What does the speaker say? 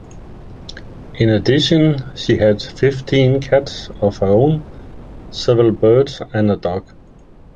In addition, she had fifteen cats of her own, several birds and a dog.